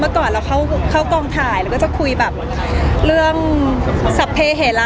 เมื่อก่อนเราเข้ากองถ่ายเราจะคุยเรื่องสัพเพเหละ